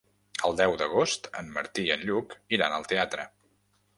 El deu d'agost en Martí i en Lluc iran al teatre.